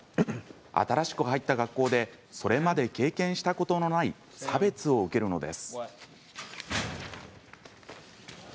新しく入った学校でそれまで経験したことのない差別を受けるのです。